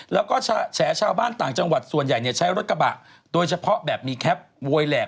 แล้วก็แฉชาวบ้านต่างจังหวัดส่วนใหญ่ใช้รถกระบะโดยเฉพาะแบบมีแคปโวยแหลก